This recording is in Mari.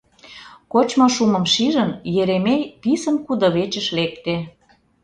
Кочмо шумым шижын, Еремей писын кудывечыш лекте.